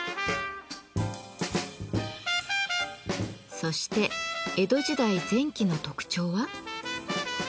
そして江戸時代前期の特徴は？